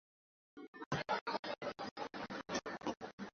এটি পশ্চিমবঙ্গের দার্জিলিং এ অবস্থিত।